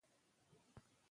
سرمایه د پانګې یوه بڼه ده.